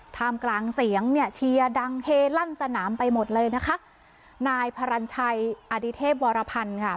ท่ามกลางเสียงเนี่ยเชียร์ดังเฮลั่นสนามไปหมดเลยนะคะนายพระรันชัยอดิเทพวรพันธ์ค่ะ